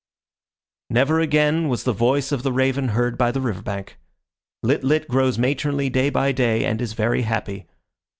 Never again was the voice of the raven heard by the river bank. Lit lit grows matronly day by day and is very happy.